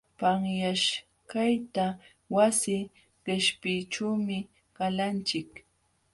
Panyaśhkaqta wasi qishpiyćhuumi qalanchik.